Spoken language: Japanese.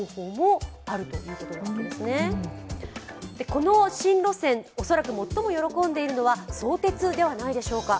この新路線、恐らく最も喜んでいるのは相鉄ではないでしょうか。